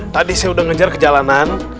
tadi saya udah ngejar ke jalanan